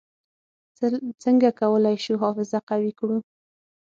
څنګه کولای شو حافظه قوي کړو؟